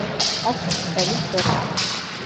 აქვს ბრტყელი მწვერვალი.